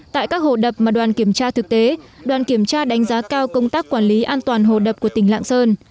tại các hồ đập mà đoàn kiểm tra thực tế đoàn kiểm tra đánh giá cao công tác quản lý an toàn hồ đập của tỉnh lạng sơn